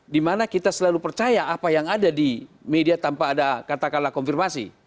dimana kita selalu percaya apa yang ada di media tanpa ada katakanlah konfirmasi